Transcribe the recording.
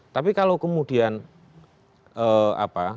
tapi kalau kemudian apa